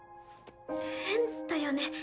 変だよね。